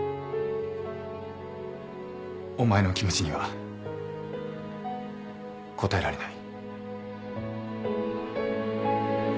お前の気持ちには応えられない。